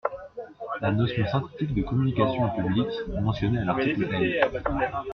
La notion synthétique de communication au public, mentionnée à l’article L.